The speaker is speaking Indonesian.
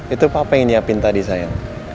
itu papa yang diapin tadi sayang